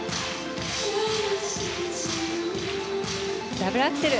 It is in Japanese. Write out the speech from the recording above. ダブルアクセル。